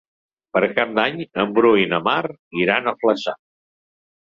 Per Cap d'Any en Bru i na Mar iran a Flaçà.